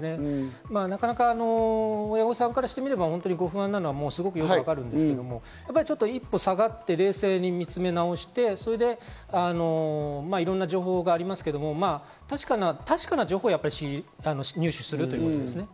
なかなか親御さんからしてみれば不安なのはよくわかるんですけれども、一歩下がって冷静に見つめなおして、そしていろんな情報がありますけれども、確かな情報を入手するということ。